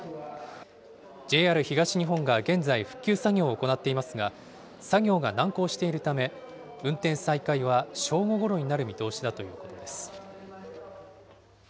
ＪＲ東日本が現在、復旧作業を行っていますが、作業が難航しているため、運転再開は正午ごろになる見通しだということです。